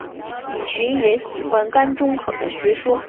李寻也喜欢甘忠可的学说。